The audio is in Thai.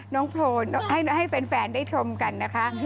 น้องโพลให้แฟนได้ชมกันนะคะ